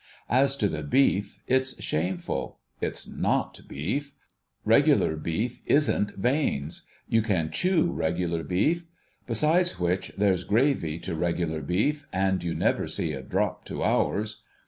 As to the beef, it's shameful. It's 7wt beef. Regular beef isn't veins. You can chew regular beef. Besides which, there's gravy to regular beef, and you never see a drop to ours.